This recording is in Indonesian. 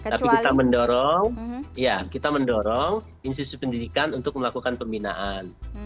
tapi kita mendorong institusi pendidikan untuk melakukan pembinaan